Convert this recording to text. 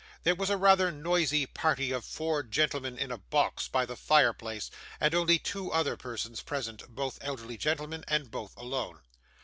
There was a rather noisy party of four gentlemen in a box by the fire place, and only two other persons present both elderly gentlemen, and both alone.